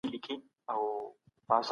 خپل ځان کم مه ګڼئ.